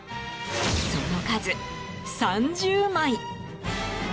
その数、３０枚。